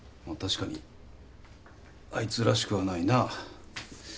まあ確かにあいつらしくはないな。